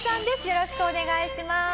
よろしくお願いします。